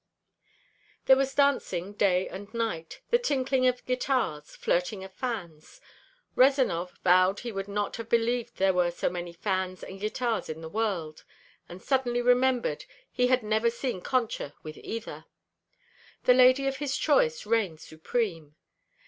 There was dancing day and night, the tinkling of guitars, flirting of fans. Rezanov vowed he would not have believed there were so many fans and guitars in the world, and suddenly remembered he had never seen Concha with either. The lady of his choice reigned supreme.